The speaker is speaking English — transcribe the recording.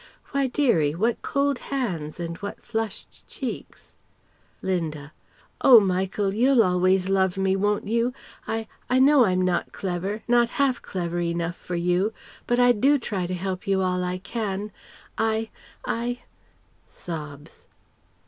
Why dearie! What cold hands and what flushed cheeks!"... Linda: "Oh Michael! You'll always love me, won't you? I I know I'm not clever, not half clever enough for you. But I do try to help you all I can. I I "